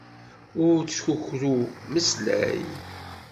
Ur ttkukru. Mmeslay.